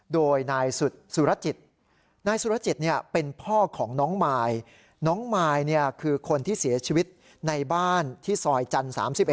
โดยนายสุรจิตนายสุรจิตเป็นพ่อของน้องมายน้องมายคือคนที่เสียชีวิตในบ้านที่ซอยจันทร์๓๑